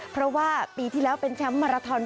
เพราะว่าปีที่แล้วเป็นแชมป์มาราทอน